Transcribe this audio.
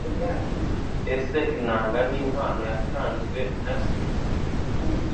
Ese inanga ni impano yatanzwe na se